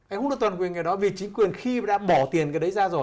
anh không được toàn quyền cái đó vì chính quyền khi đã bỏ tiền cái đấy ra rồi